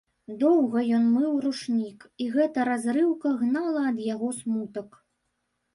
Доўга ён мыў ручнік, і гэтая разрыўка гнала ад яго смутак.